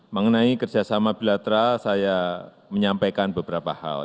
mengenai kerjasama bilateral saya menyampaikan beberapa hal